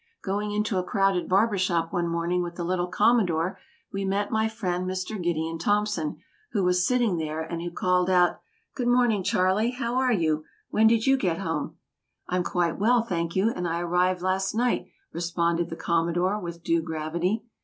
Going into a crowded barber shop one morning with the little Commodore, we met my friend Mr. Gideon Thompson, who was sitting there, and who called out: "Good morning, Charley; how are you? When did you get home?" "I'm quite well, thank you, and I arrived last night," responded the Commodore, with due gravity.